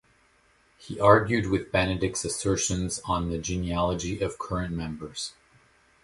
He argued with Benedict's assertions on the genealogy of current members.